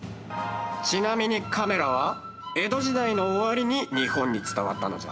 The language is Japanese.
ちなみにカメラは江戸時代の終わりに日本に伝わったのじゃ。